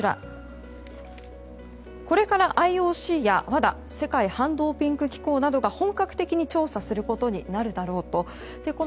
これからＩＯＣやＷＡＤＡ・世界反ドーピング機構などが本格的に調査することになるだろうと。